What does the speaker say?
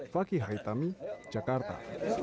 fakih haitami jakarta